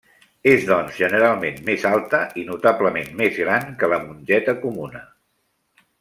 És doncs, generalment més alta i notablement més gran que la mongeta comuna.